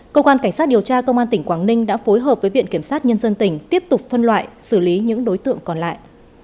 cơ quan cảnh sát điều tra công an tỉnh quảng ninh đã phối hợp với viện kiểm sát nhân dân tỉnh tiếp tục phân loại xử lý những đối tượng còn lại